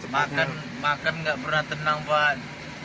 makan makan tidak perlu tenang pak